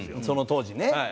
その当時ね。